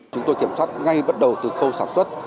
chúng tôi kiểm soát ngay bắt đầu từ khâu sản xuất